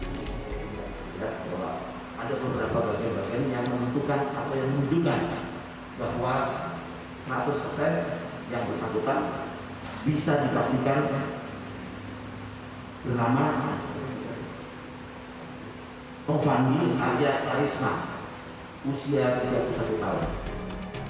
yang bersatukan bisa dikasihkan bernama novandi arya karisma usia tiga puluh satu tahun